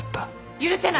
許せない！